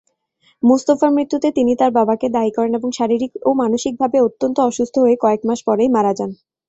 মুস্তাফার মৃত্যুতে তিনি তার বাবাকে দায়ী করেন এবং শারীরিক ও মানসিক ভাবে অত্যন্ত অসুস্থ হয়ে কয়েক মাস পরেই মারা যান।